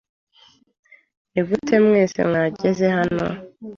Nigute mwese mwageze hano?